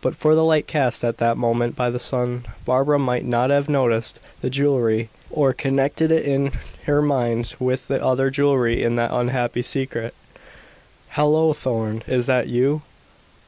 But for the light cast at that moment by the sun, Barbara might not have noticed the jewellery, or connected it in her mind with the other jewellery in that unhappy secret. "Hallo, Thorn, is that you?